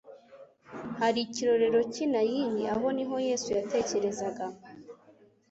hari ikirorero cy'i Naini aho niho Yesu yerekezaga.